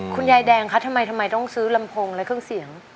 คุณยายแดงคะทำไมทำไมต้องซื้อลำโพงและเครื่องเสียง